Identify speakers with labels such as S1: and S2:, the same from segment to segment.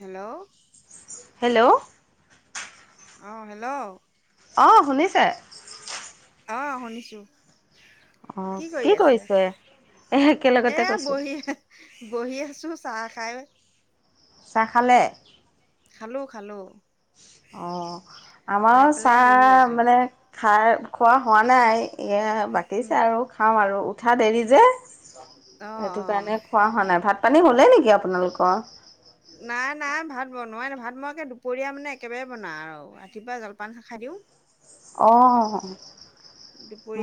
S1: Hello?
S2: Hello?
S1: অ, hello?
S2: অ, শুনিছে।
S1: অ, শুনিছোঁ।
S2: অ
S1: কি কৰি আছে?
S2: কৰিছে এ
S1: এ
S2: একেলগতে কৈছো
S1: বহি বহি আছো, চাহ খাই।
S2: চাহ খালে?
S1: খালো, খালো।
S2: অ, আমাৰো
S1: পেলাই
S2: চাহ
S1: বহি আছোঁ
S2: মানে খাই খোৱা হোৱা নাই। এয়া বাকীছে আৰু খাম আৰু উঠা দেৰি যে।
S1: অঁ
S2: সেইটো
S1: অঁ
S2: কাৰণে খোৱা হোৱা নাই। ভাত, পানী হলেই নেকি আপোনালোকৰ?
S1: নাই নাই ভাত বনোৱাই নাই ভাত মই একে দুপৰীয়া মানে একেবাৰে বনাওঁ আৰু ৰাতিপুৱা জলপান খাই দিওঁ।
S2: অ,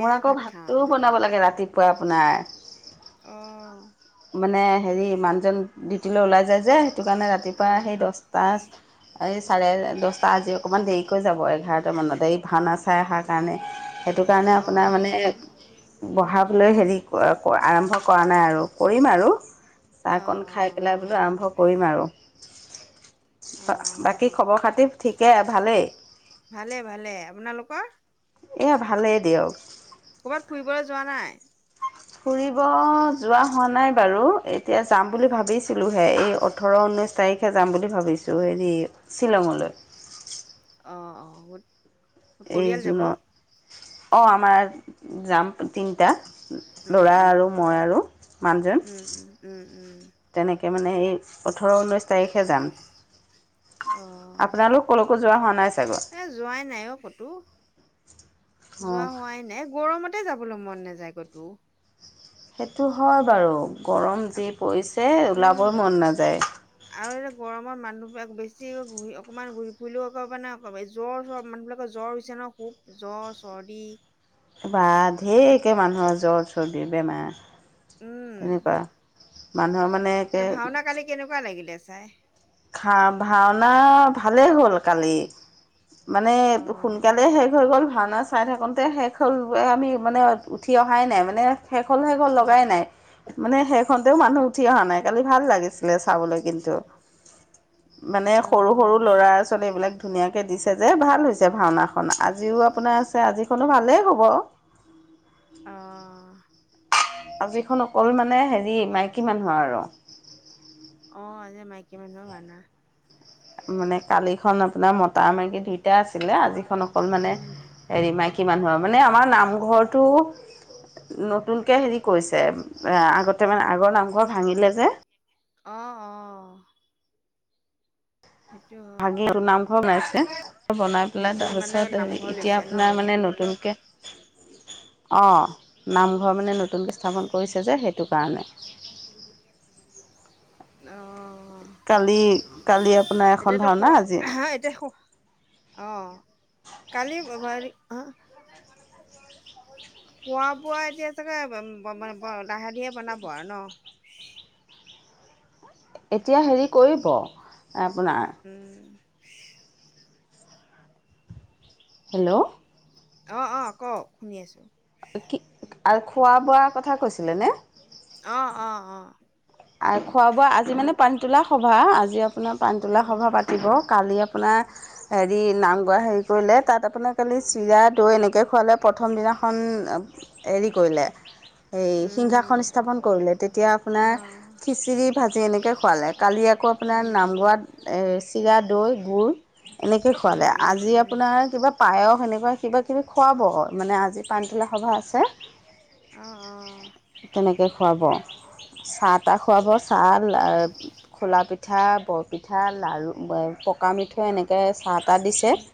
S2: মোৰ আকৌ
S1: ভাত খাওঁ মানে
S2: ভাতটোও বনাব লাগে ৰাতিপুৱা আপোনাৰ।
S1: অ,
S2: মানে হেৰি মানুহজন ডিউটী লৈ ওলাই যায় যে সেইটো কাৰণে ৰাতিপুৱা
S1: অঁ
S2: সেই দহটা। এই চাৰে দহটা আজি অকণমান দেৰিকৈ যাব এঘাৰটা মানত এই ভাওনা চাই অহাৰ কাৰণে। সেইটো কাৰণে আপোনাৰ
S1: অঁ
S2: মানে বঢ়াবলৈ হেৰি আৰম্ভ কৰা নাই আৰু। কৰিম আৰু
S1: অঁ
S2: চাহকণ খাই
S1: অঁ
S2: পেলাইলৈ আৰম্ভ কৰিম আৰু।
S1: অঁ
S2: বাকী খবৰ খাতি ঠিকে ভালেই।
S1: ভালে ভালে আপোনালোকৰ।
S2: এয়া ভালেই দিয়ক।
S1: ক'ৰবাত ফুৰিবলৈ যোৱা নাই।
S2: ফুৰিব যোৱা হোৱা নাই বাৰু এতিয়া যাম বুলি ভাবিছিলো। পলোহে এই ওঠৰ ঊনৈছ তাৰিখে যাম বুলি ভাবিছোঁ হেৰি শ্বিলঙলৈ।
S1: অ, অ,
S2: এই জুনৰ অঁ আমাৰ যাম তিনিটা।
S1: উম
S2: ল'ৰা
S1: উম
S2: আৰু মই আৰু মানুহজন।
S1: উম উম উম উম।
S2: তেনেকে মানে এই ওঠৰ ঊনৈছ। প তাৰিখে যাম
S1: অ
S2: আপোনালোক ক'লৈকো যোৱা হোৱা নাই চাগৈ।
S1: এ যোৱাই নাই অ কতো যোৱা
S2: অঁ
S1: হোৱাই নাই গৰমত। তাতে যাবলৈ মন নাযায় গতো।
S2: সেইটো হয় বাৰু গৰম যি পৰিছে
S1: উম
S2: ওলাবই মন নাযায়।
S1: আৰু এয়া গৰমত মানুহবিলাক বেছি ঘূৰি অকনমান ঘূৰি ফুৰিও এককব নে জ্বৰৰ মানুহবাকৰ জ্বৰ। বিচনৰৰ খুপ জ্বৰ চৰ্দি।
S2: বা ঢেৰকৈ মানুহৰ জ্বৰ চৰ্দি বেমাৰ
S1: উম
S2: তেনেকুৱা। মানুহৰ মানে। একে
S1: এয়া ভাওনা কালি কেনেকুৱা লাগিলে চাই।
S2: খা ভাওনা ভালেই হ'ল কালি মানে
S1: অ
S2: সোনকালে হে। শেষ হৈ গ'ল ভাওনা চাই থাকোঁতে শেষ হ'ল আমি মানে উঠি অহাই নাই মানে। শেষ হল শেষল
S1: উম
S2: লগাই নাই। মানে সেইখনতেও মানুহ উঠি অহা নাই কালি ভাল লাগিছিলে চাবলৈ কিন্তু। মানে
S1: অ
S2: সৰু সৰু ল'ৰা আচল এইবিলাক ধুনীয়াকৈ দিছে যে ভাল হৈছে ভাওনাখন আজিও আপোনাৰ আছে আজিখনো ভালেই হ'ব।
S1: অ,
S2: আজিখন অকল মানে হেৰি মাইকী মানুহ আৰু।
S1: অ, আজ মাইকী মান ম ভ ন।
S2: মানে কালিখন আপোনাৰ মতা মাৰকী দুইটা আছিলে আজিখন অকল মানে।
S1: উম
S2: হেৰি মাইকী মানুহৰ মানে আমাৰ নামঘৰটো। নতুনকৈ হেৰি কৰিছে আগতে মানে আগৰ নামঘৰ ভাঙিলে যে।
S1: অ, অ, সেইটো হয়
S2: ভাগে তোৰ
S1: বাৰু
S2: নাম কনাইছে। বনাই পেলাই
S1: নতুন মানে
S2: তাৰপিছত
S1: নামঘৰ
S2: এতিয়া
S1: লৈছে
S2: আপোনাৰ
S1: ন
S2: মানে নতুনকৈ। অ, নামঘৰ মানে নতুনকৈ স্থাপন কৰিছে যে সেইটো কাৰণে।
S1: অ,
S2: কালি কালি আপোনাৰ এখন ধওনা আজি।
S1: হা এতিয়া ক অ, কালি খোৱা বোৱা এতিয়া চাগে লাহ দিয়ে বনাব আৰু ন।
S2: এতিয়া হেৰি কৰিব আপোনাৰ
S1: উম,
S2: হেল্ল'।
S1: অ, অ, ক', শুনি আছোঁ।
S2: কি আল খোৱা-বোৱা কথা কৈছিলে নে?
S1: অ, অ, অ।
S2: আ, খোৱা বোৱা আজি মানে পানীতোলা সভা। আজি আপোনাৰ পানীতোলা
S1: উম
S2: সভা পা তিব। কালি আপোনাৰ হেৰি, নাম গোৱা হেৰি কৰিলে। তাত আপোনাৰ তালি চিৰা দৈ এনেকে খোৱালে। প্ৰথম দিনাখন হেৰি কৰিলে এই
S1: উম
S2: সিংহাসন স্থাপন কৰিলে। তেতিয়া আপোনাৰ
S1: অঁ
S2: খিচিৰি ভাজি এনেকৈ খোৱালে। কালি আকৌ আপোনাৰ
S1: উম
S2: নামগোৱাত চিৰা-দৈ গুৰ। এনেকে
S1: উম
S2: খোৱালে।
S1: উম
S2: আজি
S1: উম
S2: আপোনাৰ কিবা পায়স সেনেকুৱা কিবাকিবি খুৱাব, মানে আজি পনীতোলা সভা আছে।
S1: অ' অ'।
S2: তেনেকে খুৱাব। চাহ-তাহ খুৱাব, চা লা খোলা পিঠা, বৰপিঠা, লাৰু, পকা মিঠৈ এনেকৈ চাট
S1: উম।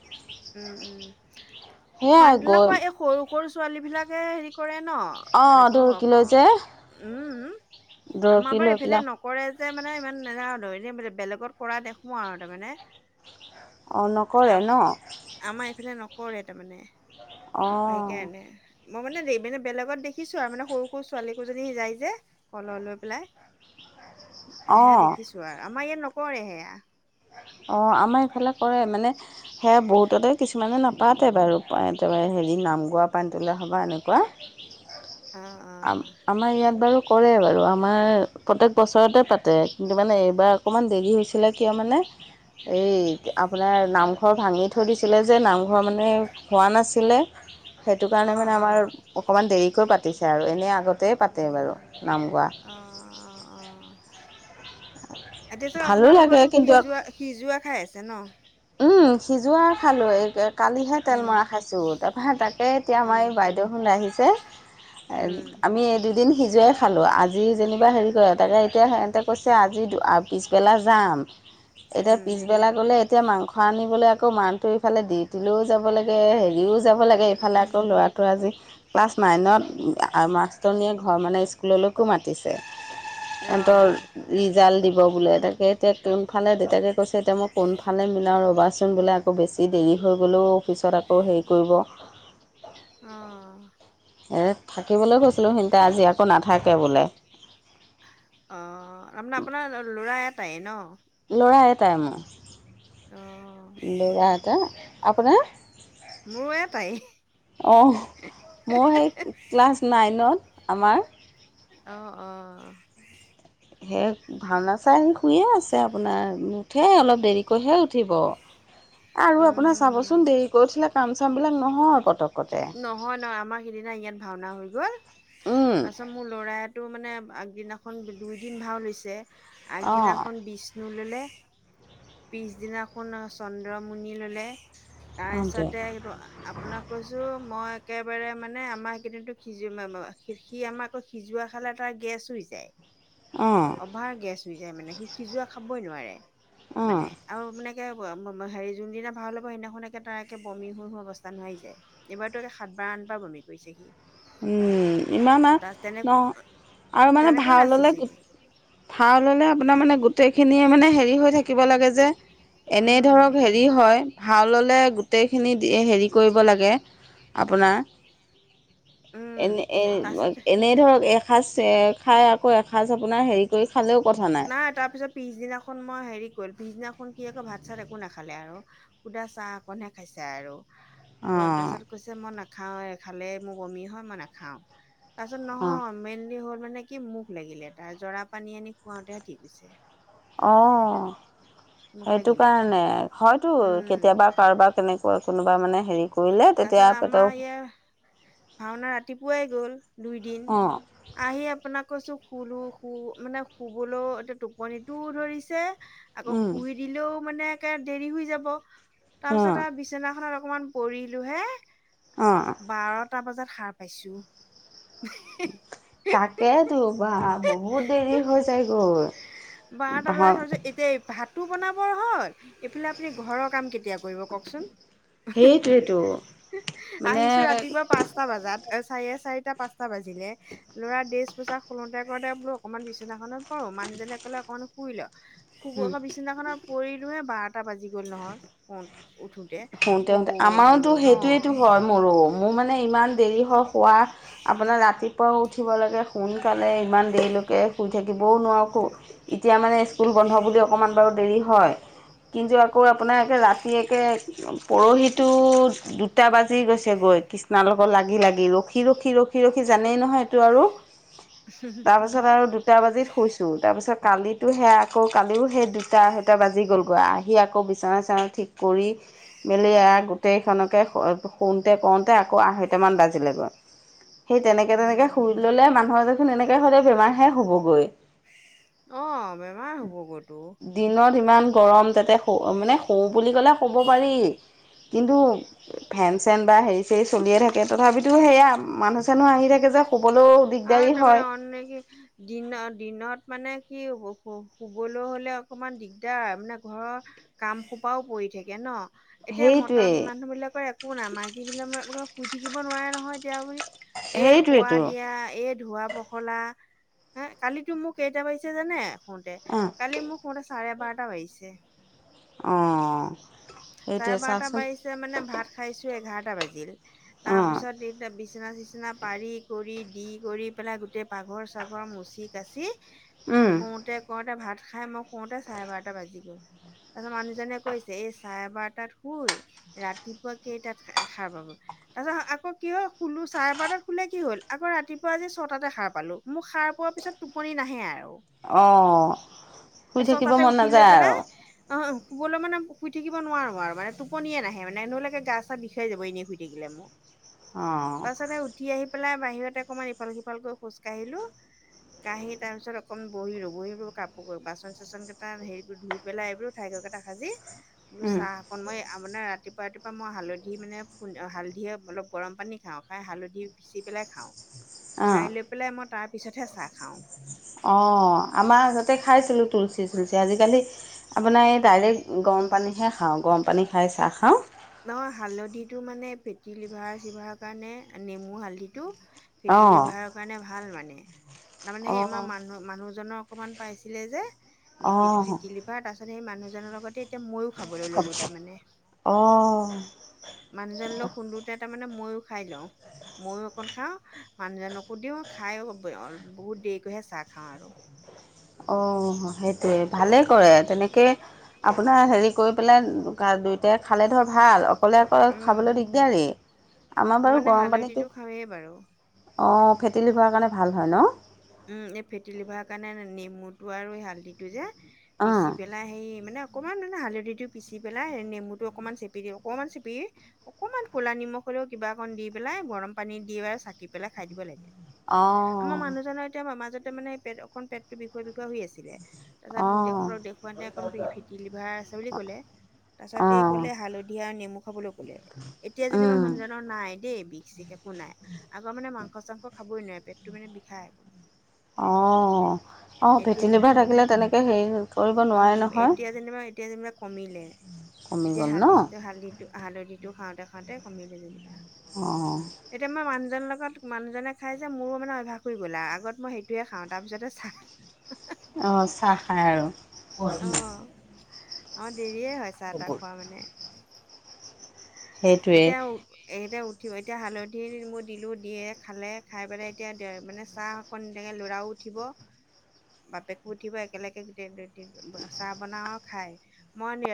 S1: উম, উম।
S2: সেয়াই
S1: মানতোলা
S2: গৈ
S1: খোৱা এই সৰু সৰু ছোৱালী বিলাকে হেৰি কৰে ন',
S2: অঁ
S1: এনেকৈও
S2: দৰকী
S1: হওক
S2: লৈ যে
S1: অ'। উম।
S2: দৰকী
S1: আমাৰ বাৰ
S2: লৈ
S1: এইফালে
S2: পেলাই
S1: নক কৰে যে মানে ইমান [unintelligible] এনে বেলেগত কৰা দেখোঁ আৰু তাৰমানে।
S2: অ' নকৰে ন'?
S1: আমাৰ এইফালে নকৰে তাৰমানে,
S2: অঁ
S1: সেইকাৰণে। মই মানে দেইবিনে বেলেগত দেখিছোঁ আৰু মানে সৰু সৰু ছোৱালীকোজনী যায় যে কলহ লৈ পেলাই।
S2: অঁ
S1: সেয়া দেখিছোঁ আৰু, আমাৰ ইয়াত নকৰে সেয়া।
S2: অ', আমাৰ এইফালে কৰে মানে সেয়া বহুততে কিছুমানে নাপ পাতে বাৰু প্ৰায় এত'বাৰে হেৰি, নাম গোৱা পানটোলা সবা এনেকুৱা।
S1: অ অ
S2: আম, আমাৰ ইয়াত বাৰু কৰে বাৰু আমাৰ প্ৰত্যেক বছৰতে পাতে। কিন্তু মানে এইবাৰ অকণমান দেৰি হৈছিলে কিয় মানে এই আপোনাৰ নাম ঘৰ ভাঙি থৈ দিছিলে যে, নামঘৰ মানে হোৱা নাছিলে সেইটো
S1: অ
S2: কাৰণে মানে
S1: অ
S2: আমাৰ অকণমান দেৰিকৈ পাতিছে আৰু। এনেই আগতেই পাতে বাৰু নামগোৱা।
S1: অ' অ', অ'। এতিয়াজ
S2: ভালো লাগে
S1: আপোনালোকটো
S2: কিন্তু
S1: সিজোৱা সিজোৱা খাই আছে ন'।
S2: উম। সিজোৱা খালোঁ এইক' কালিহে তেল মৰা
S1: উম
S2: খাইছোঁ। তাৰপৰা তাকে এতিয়া আমাৰ
S1: উম
S2: এই বাইদেউখোন আহিছে।
S1: উম
S2: আমিএদ দুদিন সিজোৱাই খালোঁ। আজি যেনিবা হেৰি কৰে, তাকে এতিয়া সেহেতে কৈছে আজি পিছবেলা যাম।
S1: [inaudible]
S2: এতিয়া পিছবেলা গ'লে, এতিয়া মাংস আনিবলৈ আকৌ মানটো ইফালে ডিউটিলও যাব লা গে হেৰিও যাব লাগে। এইফালে আকৌ ল'ৰা ত' আজি ক্লাছ নাইনত মাষ্টৰনীয়ে ঘৰ মানে স্কুললৈকো মাতি তিছে।
S1: অ
S2: সেনতৰ ৰিজাল্ট দিব বোলে। তাকে এতিয়া কোনফালে দেউতাকে কৈছে এতিয়া মই কোন ফালে মিলাওঁ ৰ'বাচোন। বোলে আকৌ বেছি দেৰি হৈ গ'লেও পিছত আকৌ হেৰি কৰিব।
S1: অ'।
S2: এৰে থাকিবলৈ কছিলোঁ, সিনতে আজি আকৌ নাথাকে বোলে।
S1: অ', আপনাৰ আপোনাৰ ল'ৰা এটাই ন'?
S2: ল'ৰা এটাই মোৰ।
S1: অ'।
S2: ল'ৰা এটাই। আপোনাৰ?
S1: মোৰ এটাই।
S2: অহ, মোৰ সেই ক্লাছ নাইনত, আমাৰ।
S1: অ' অ'।
S2: সেই ভাওনা চাই শুইয়ে আছে আপোনাৰ নুঠে অলপ দেৰি। কৈহে উঠিব আৰু আপোনাৰ চাবচোন
S1: উম।
S2: দেৰি কৰি উঠিলে কাম চামবিলাক নহয় পতক।
S1: নহয় নহ আমাৰ সিদিনা ইয়াত ভাওনা হৈ গল। মোৰ ল'ৰাইতটো মানে আগদিনাখন দুই দিন ভাও লৈছে
S2: অঁ
S1: আগদিনাখন বি। বিষ্ণু ললে পিছদিনাখন চন্দ্ৰমুনি ললে
S2: অঁ দে
S1: তাৰপিছতেটো আপোনাক কৈো মই একেবাৰে মানে আমাৰ কেইদিনো সিজো সি আমাক আ সিজোৱা খালে তাৰ গেছ হৈ যায়
S2: অঁ
S1: অভাৰ গেছ হৈ যায় মানে সি সিজোৱা খাবই নোৱাৰে
S2: অঁ
S1: মানে আৰু মানেকে হেৰি যোনদিনা ভাল হ'ব সেইদিনাখনকৈ তাৰ একে বমি হৈহো অৱস্থা নোৱাৰি যায় এইবাৰতো একে সাত বাৰ আঠ বাৰ বমি কৰিছেহি
S2: ইমান আৰু ন আৰু মানে
S1: তেনেকৈ নাচিছে
S2: ভাললৈ
S1: সি
S2: ভাও ল'লে আপোনাৰ মানে গোটেইখিনিয়ে মানে হেৰি হৈ থাকিব লাগে যে এনেই
S1: উম
S2: ধৰক হেৰি হয় হাউ ল'লে গোটেইখিনি হেৰি কৰিব লাগে আপোনাৰ
S1: উম
S2: এনে
S1: তাৰপিছত
S2: এনেই ধৰক এসাঁজ খাই আকৌ এসাঁজ আপোনাৰ হেৰি কৰি খালেও কথা
S1: নাই তাৰ পিছত পিছদিনাখন মই হেৰি কৰিল পিছদিনাখন কি আকৌ ভাত চাত একো নাখালে আৰু সুদা চাহ অকণহে খাইছে আৰু অ
S2: অঁ
S1: তাৰপিছত কৈছে মই নাখাওঁ খালে মোৰ বমি হয় মই নাখাওঁ তাৰপিছত
S2: অঁ
S1: নহয় মেইনলি হ'ল মানে কি মুখ লাগিলে তাৰ জৰা পানী আনি খুৱাওঁতেহে ঠিক হৈছে
S2: অঁ
S1: মুখ
S2: সেইটো
S1: লাগিলে তাৰ
S2: কাৰণে হয়তো
S1: উম
S2: কেতিয়াবা কাৰোবাৰ কেনেকুৱৈ কোনোবা মানে হেৰি কৰিলে তেতিয়া
S1: তাৰপিছত
S2: পেটৰ
S1: আমাৰ ইয়াৰ ভাওনা ৰাতিপুৱাই গ'ল দুইদিন
S2: অঁ
S1: আহি আপোনাক কৈছো শুলো শু মানে শুবলৈও এতিয়া টোপনিটোও ধৰিছে আকৌ
S2: উম
S1: শুই দিলেও মানে একে দেৰি হৈ যাব
S2: অঁ
S1: তাৰপিছত আৰু বিচনাখনাত অলকমান কৰিলোঁহে
S2: অঁ
S1: বাৰটা বজাত সাৰ পাইছো
S2: তাকেতো বা বহুত দেৰি হৈ যাই গ'ল
S1: বাঁ তটা বজাই খাব এতিয়া ভাতো বনাবৰ হ'ল এইফালে আপুনি ঘৰৰ কাম কেতিয়া কৰিব কওকচোন
S2: সেইটোৱেতো মানে
S1: আহিছোঁ ৰাতিপুৱা পাঁচটা বজাত চাৰে চাৰিটা পাঁচটা বাজিলে ল'ৰা দছ পোছাক সুলতে কৰোতোই বোলো অকণমান বিছনাখনত পাৰো মানুহজনে লে অকণমান শুই ল শুব বিচিনাখননৰ পৰিলোহে বাৰটা বাজি গ'ল নহয় ক উঠো
S2: সতেতে আমাৰো সেইটোয়েইটো হয় মোৰো মোৰ মানে ইমান দেৰি হয় শোৱা আপোনাৰ ৰাতিপুৱাও উঠিব লাগে সোনকালে ইমান দেৰিলৈকে শুই থাকিবও নোৱাৰোকো এতিয়া মানে স্কুল বন্ধ বুলি অকণমান বাৰু দেৰি হয় কিন্তু আকৌ আপোনাৰে ৰাতি এক একে পৰহিটো দুটা বাজি গৈছে গৈ কৃষ্ণাল [inaudible] তাৰপাছত আৰু দুটা বাজিতুইছো তাৰ পিছ কিতো সেয়া আকৌ কালিও সেই দুটা আঢ়টা বাজি গ'ল আহি আকৌ বিচনা চ ঠিক কৰি মেলে আ গো গোটেইখনকে শুওঁতে কওঁতে আকৌ আঢ়ৈটামান বাজিলেগৈ সেই তেনেকৈ তেনেকৈ শুই
S1: উম
S2: ল'লে মানুহৰ এনেকে হলে বেমাৰ হে হ'বগৈ
S1: অ' বেমাৰ হ'ব গ'তো।
S2: দিনত ইমান গৰম তাতে শ মানে শওঁ বুলি ক'লে শ'ব পাৰি, কিন্তু ফেন চেন বা হেৰি চেৰি চলিয়ে থাকে তথাপিতো সেয়া মানুহ চেনহ আহি থাকে যে শুবলৈও
S1: আৰু
S2: দিগদাৰী
S1: তাৰমানে
S2: হয়।
S1: অন নেকি। দিনত, দিনত মানে কি শুবলৈ হ'লে, অকণমান দিগদাৰ মানে ঘৰৰ কাম খোপাও পৰি থাকে ন। এতিয়া মতা
S2: সেইটোৱেই
S1: মানুহ বিলাকৰ একো নাই মাইকী বিলাক শুই থাকিব নোৱাৰে নহয়, এতিয়া আপুনি এই খোৱা
S2: সেইটোৱেইটো
S1: দিয়া এই ধোৱা পখলা, হা কালিতো মোক কেইটা বাজিছে জানে শুতে,
S2: অ'।
S1: কালি মোক স চাৰে বাৰটা বাজিছে।
S2: অ'।
S1: চাৰে
S2: সেইটোৱে
S1: বাৰটা
S2: চাওকচোন
S1: বাজিছে মানে ভাত খাইছো এঘাৰটা বাজিল।
S2: অ',
S1: তাৰপিছত এতিয়া বিচনা চিচিনা পাৰি কৰি দি কৰি পেলাই গোটেই পাঘৰ চাগৰ মচি কাচি,
S2: উম,
S1: শুতে শুতে ভাত খাই মই শুতে চাৰে বাৰটা বাজি গ'ল, তাৰপিছত মানুহজনে কৈছে এই চাৰে বাৰটাত শুই, ৰাতিপুৱা কেইটাত খাৰ পাব তাৰ পাছত আকৌ কি হ'ল শুলো চাৰে বাৰটাত শুলে কি হ'ল আকৌ ৰাতিপুৱা আজি ছটাতে সাৰ পালো। মোক সাৰ পোৱাৰ পিছত টোপনি নাহে আৰু।
S2: অ', শুই
S1: ছ
S2: থাকিব
S1: তাতে
S2: মন
S1: উঠি লৈ
S2: নাযায়
S1: পেলাই
S2: আৰু
S1: আহ, শুবলৈ মানে শুই থাকিব নোৱাৰো আৰু মানে টোপনিয়ে নাহে মানে নহলেকে গা চা বিষাই যাব এনেই শুই থাকিলে মোৰ।
S2: অ',
S1: তাৰছতে উঠি আহি পেলাই বাহিৰত অকমান ইফাল সিফালকৈ খোজ কাঢ়িলো। কাঁহি তাৰ পিছত অকণ বহীলোঁ বহী পিনে কাপোৰ বাচন চাচন কেইটা হেৰি কৰি ধুই পেলাই এইবোৰো ঠাই গকেইটা সাজি বোলো,
S2: উম,
S1: চাহ অকণ মই আপোনাৰ ৰাতিপুৱা ৰাতিপা মই হালধি খুন্দি হালধিয়ে অলপ গৰম পানী খাওঁ খাই হালধি পিচি পেলাই খাওঁ, খাই
S2: অ',
S1: লৈ পেলাই মই তাৰপিছতহে চাহ খাওঁ।
S2: অ', 'আমাৰ আগতে খাইছিলোঁ তুলসী চুলচী আজিকালি আপোনাৰ এই ডাইৰেক্ট গৰম পানীহে খাওঁ গৰম পানী খাই চাহ খাওঁ।
S1: নহয় হালধিটো মানে ফেটি লিভাৰ চিভাৰৰ কাৰণে নেমু হালধিটো ফেটি
S2: অ',
S1: লিভাৰৰ কাৰণে ভাল মানে, তাৰমানানে সেই আমাৰ
S2: অ',
S1: মানুহ মানুহজনৰ অকনমান পাইছিলে যে লিপি
S2: অ',
S1: ফেটি লিভাৰ, তাৰ পিছত সেই মানুহজনৰ লগতে এতিয়া মইয়ো খাবলৈ ললো তাৰমানে।
S2: অ'।
S1: মানুহজনলৈ সুন্দোতে তাৰমানে মইয়ো খাই লওঁ। ময়ো অকণ খাওঁ মানুহজনকো দিওঁ খাইো বহুত দেৰিকৈহে চাহ খাওঁ আৰু।
S2: অ', সেইটোৱে ভালে কৰে তেনেকে আপোনাৰ হেৰি কৰি পেলাই দুয়োটাই খালে ধৰ ভাল অকলে অকৌ
S1: উম
S2: খাবলৈ দিগদাৰী। আমাৰ
S1: মই
S2: বাৰু
S1: মানে
S2: গৰম পানীটো
S1: হালধিটো খাওঁৱেই বাৰু
S2: অ', ফেটেলী লিভাৰৰ কাৰণে ভাল হয় ন।
S1: উ, এই ফেটি লিভাৰৰ কাৰণে নেমুটো আৰু এই হালধিটো যে, পিচি
S2: অঁ
S1: পেলাই সেই মানে অকণমান মানে হালধিটো পিচি পেলাই নেমুটো অকণমান চেপি দিওঁ অকণমান চেপি অকমান ক'লা নিমখ হ'লেও কিবা অকণ দি পেলাই গৰম পানী দি চাকি পেলাই খাই দিব লাগে। আমাৰ
S2: অঁ
S1: মানুহজনৰ এতিয়া মাজতে মানে পেট অকন পেটটোৰ বিষয় বিষয় হৈ আছিলে। তাৰপিছত
S2: অঁ
S1: ডক্তৰক দেখুবাতে অকণ ফেটি ডিলিভাৰ আছে বুলি ক'লে, তাৰ পাছতে
S2: অঁ
S1: ক'লে হালধি আৰু নেমু খাবলৈ এতিয়া যেনিবা
S2: উম
S1: মানুজন নাই দেই বিষ চিষ একো নাই আগৰ মানে মাংস চাংস খাবই নোৱাৰে পেটটো মানে বিষায়।
S2: অ'। কৰিব নোৱাৰে
S1: উম,
S2: নহয়
S1: এতিয়া যেনিবা এতিয়া যেনিবা কমিলে।
S2: কমি
S1: এতিয়া
S2: গ'ল ন
S1: হালধিটো হালধিটো হালধিটো খাওঁতে খাওঁতে কমিলে যেনিবা।
S2: অ'।
S1: এতিয়া মই মানুহজনৰ লগত মানুহজনে খাই যে মোৰো মানে অভ্যাস হৈ গ'লা আগত মই সেইটোয়ে খাওঁ তাৰপিছতে চাহ
S2: অহ, চাহ খায় আৰু।
S1: অ, দেৰিয়ে হয় চাহ-তাহ খোৱা মানে।
S2: সেইটোৱে
S1: এতিয়া এইতে উঠিব এতিয়া হালধি নেমু দিলোঁ, দিয়ে খালে খাই পেলাই এতিয়া মানে চাহ অকণ দেৰিকে ল'ৰাও উঠিব। বাপেকো উঠিব একেলগে গোটেই চাহ বনাওঁ আৰু খাই। মই